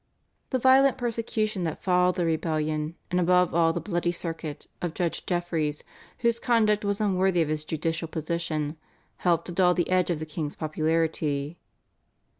The violent persecution that followed the rebellion, and above all the "bloody circuit" of Judge Jeffreys, whose conduct was unworthy of his judicial position, helped to dull the edge of the king's popularity.